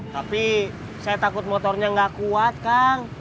tapi saya takut motornya nggak kuat kang